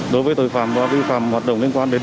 đối với tội phạm vi phạm hoạt động liên quan đến